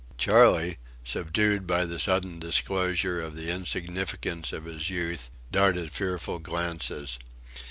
Charley, subdued by the sudden disclosure of the insignificance of his youth, darted fearful glances.